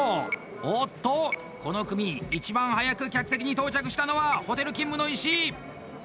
おっと、この組一番早く客席に到着したのはホテル勤務の石井！